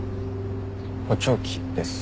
補聴器です。